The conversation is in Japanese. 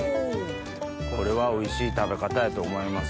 これはおいしい食べ方やと思います。